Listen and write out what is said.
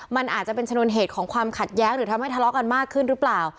มันอาจจะเป็นชนวนเหตุของความขัดแย้งหรือทำให้ทะเลาะกันมากขึ้นหรือเปล่า